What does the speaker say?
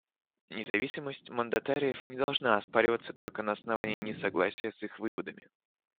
Независимость мандатариев не должна оспариваться только на основании несогласия с их выводами.